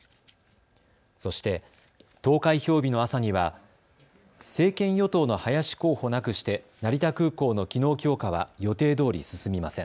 そして投開票日の朝には政権与党の林候補なくして成田空港の機能強化は予定どおり進みません。